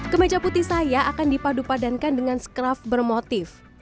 kemeja putih saya akan dipadupadankan dengan skraf bermotif